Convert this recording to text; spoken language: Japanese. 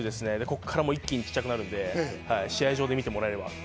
ここから一気に小っちゃくなるので、試合場で見てもらえれば。